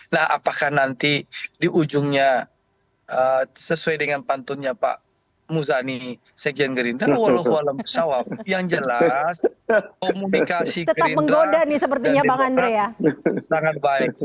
nah apakah nanti di ujungnya sesuai dengan pantunnya pak muzani sekian gerinda walau walau masyarakat yang jelas komunikasi gerinda dan demokrat sangat baik